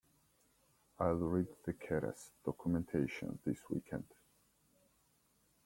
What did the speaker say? I'll read the Keras documentation this weekend.